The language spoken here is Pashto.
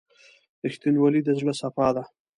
• رښتینولي د زړه صفا ده.